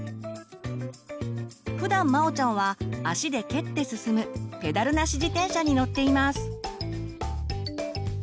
ふだんまおちゃんは足で蹴って進む「ペダルなし自転車」に乗っています。